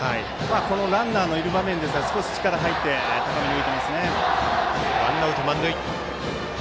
このランナーのいる場面ですから少し力が入って高めに浮いていますね。